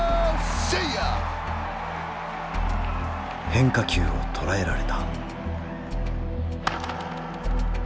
変化球を捉えられた。